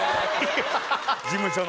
事務所の。